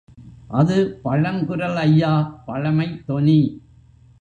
அது பழங்குரல் ஐயா, பழமைத் தொனி!